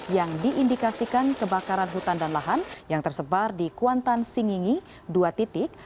yang diindikasikan kebakaran hutan dan lahan yang tersebar di kuantan singingi dua titik